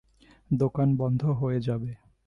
দোকান বন্ধ হয়ে যাবে!